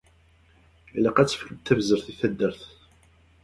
Ilaq ad tefkemt tabzert i taddart.